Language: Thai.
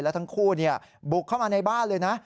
แล้วทั้งคู่บุกเข้ามาในบ้านเลยนะ